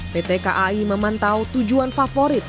pt kai memantau tujuan favorit